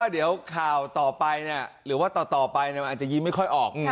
เดี๋ยวข่าวต่อไปหรือว่าต่อไปมันอาจจะยิ้มไม่ค่อยออก